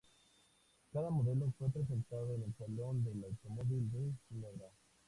Cada modelo fue presentado en el Salón del Automóvil de Ginebra.